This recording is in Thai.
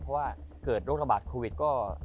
เพราะว่าเกิดโรคระบาดโควิดก็